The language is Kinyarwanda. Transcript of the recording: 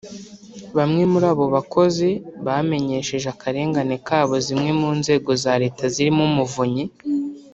Bamwe muri abo bakozi bamenyesheje akarengane kabo zimwe mu nzego za Leta zirimo Umuvunyi